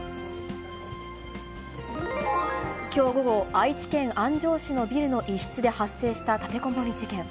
きょう午後、愛知県安城市のビルの一室で発生した立てこもり事件。